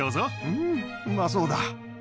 うんうまそうだ。